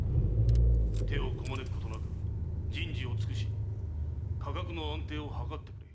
手をこまねくことなく人事を尽くし価格の安定をはかってくれ。